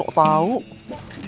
aku udah pulang